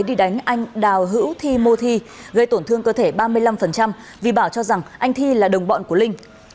đi đánh anh đào hữu thi mô thi gây tổn thương cơ thể ba mươi năm vì bảo cho rằng anh thi là đồng bọn của linh